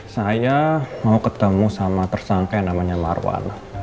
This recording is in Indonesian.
saya mau ketemu sama tersangka yang namanya marwan